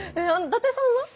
伊達さんは？